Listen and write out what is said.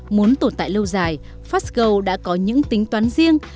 muốn tồn tại lâu dài fastgo đã có những tính toán riêng